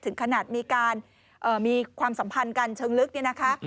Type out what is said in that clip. ถึงขนาดมีความสัมพันธ์กันเชิงลึก